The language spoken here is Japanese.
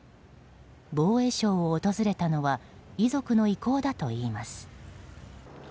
防衛省を訪れたのは遺族の意向だといいます。